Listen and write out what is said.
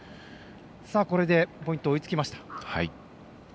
これで、ポイント追いつきました。